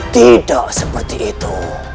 tidak seperti itu